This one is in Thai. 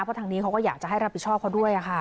เพราะทางนี้เขาก็อยากจะให้รับผิดชอบเขาด้วยค่ะ